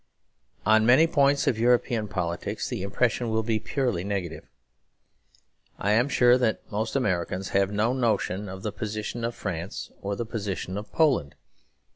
On many points of European politics the impression will be purely negative; I am sure that most Americans have no notion of the position of France or the position of Poland.